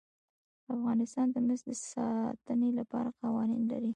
افغانستان د مس د ساتنې لپاره قوانین لري.